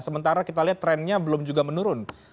sementara kita lihat trennya belum juga menurun